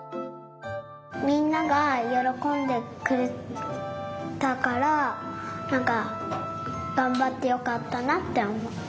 みんながよろこんでくれたからがんばってよかったなっておもう。